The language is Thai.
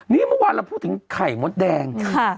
นี่เมื่อวานเราพูดถึงไข่มดแดง